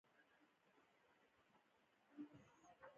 په میلیونونو متخصصې مېرمنې لري.